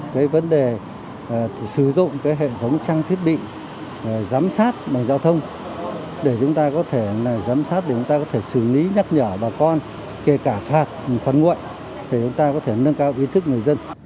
cái vấn đề sử dụng cái hệ thống trang thiết bị giám sát bằng giao thông để chúng ta có thể giám sát để chúng ta có thể xử lý nhắc nhở bà con kể cả phạt nguội để chúng ta có thể nâng cao ý thức người dân